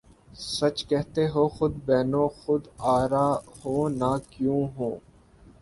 سچ کہتے ہو خودبین و خود آرا ہوں نہ کیوں ہوں